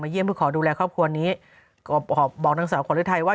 มาเยี่ยมก็ขอดูแลครอบครัวนี้ก็บอกนางสาวขวัญฤทัยว่า